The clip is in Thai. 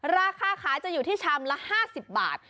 ราคาขายจะอยู่ที่ชามละ๕๐บาท